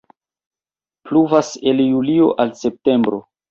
Pluvas el julio al septembro.